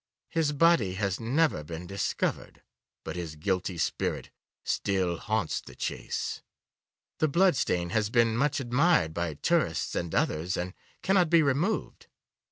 His body has never been discovered, but his guilty spirit still haunts the Chase. The blood stain has been much admired by tourists and others, and cannot be removed.